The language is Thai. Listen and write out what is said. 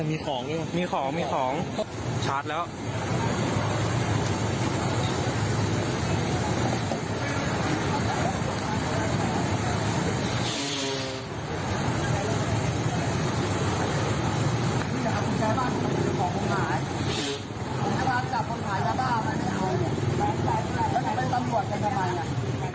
อันนี้เป็นจังหวะเข้าไปชาร์จตัวแล้วนะคะ